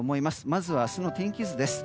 まずは明日の天気図です。